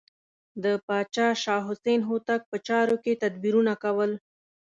د پاچا شاه حسین هوتک په چارو کې تدبیرونه کول.